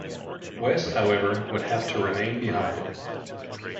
Wes, however, would have to remain behind.